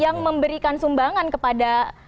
yang memberikan sumbangan kepada